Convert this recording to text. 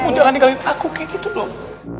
kamu jangan ninggalin aku kayak gitu dong